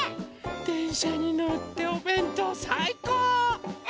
でんしゃにのっておべんとうさいこう！